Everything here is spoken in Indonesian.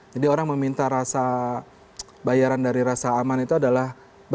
jadi orang meminta rasa bayaran dari rasa aman itu adalah